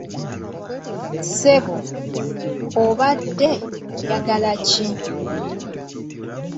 Ssebo obadde oyagala ki?